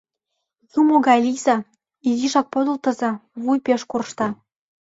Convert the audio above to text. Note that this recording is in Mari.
Юмо гай лийза, изишак подылтыза, вуй пеш коршта.